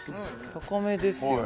高めですよね。